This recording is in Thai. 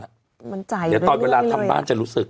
เดี๋ยวตอนเวลาทำบ้านจะรู้สึก